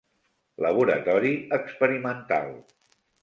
Laboratori experimental.